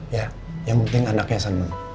ya yang penting anaknya seneng